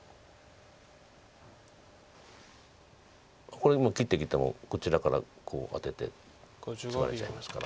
これもう切ってきてもこちらからこうアテてツガれちゃいますから。